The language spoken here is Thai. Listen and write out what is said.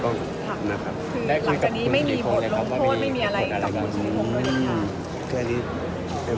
หลังจากนี้ไม่มีบทลงโทษไม่มีอะไรกับคุณธิภงนะครับ